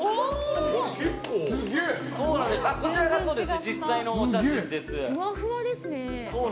こちらが実際のお写真です。